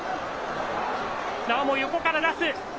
なおも横から出す。